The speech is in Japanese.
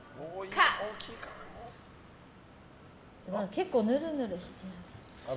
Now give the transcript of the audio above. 結構ぬるぬるしてる。